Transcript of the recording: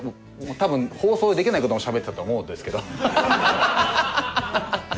たぶん放送できないこともしゃべったと思うんですけど。